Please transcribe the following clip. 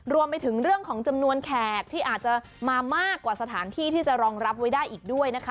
รวมไปถึงเรื่องของจำนวนแขกที่อาจจะมามากกว่าสถานที่ที่จะรองรับไว้ได้อีกด้วยนะคะ